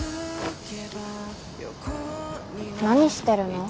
何してるの？